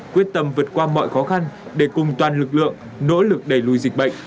quyết tâm vượt qua mọi khó khăn để cùng toàn lực lượng nỗ lực đẩy lùi dịch bệnh